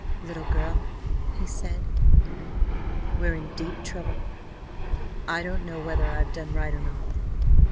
'Little girl,' he said, 'we're in deep trouble. I don't know whether I've done right or not.'